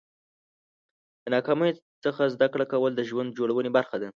د ناکامیو څخه زده کړه کول د ژوند جوړونې برخه ده.